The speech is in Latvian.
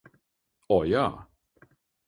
O, jā.